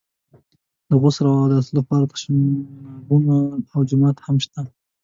د غسل او اوداسه لپاره تشنابونه او جومات هم شته.